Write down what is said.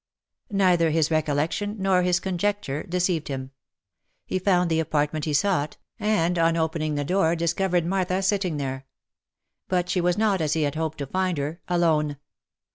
Neither his recollection nor his conjeture deceived him ; he found the apartment he sought, and on opening the door, discovered Martha sitting there. But she was not, as he had hoped to find her, alone.